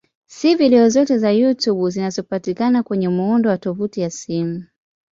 Si video zote za YouTube zinazopatikana kwenye muundo wa tovuti ya simu.